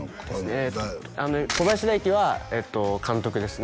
えっと小林大輝は監督ですね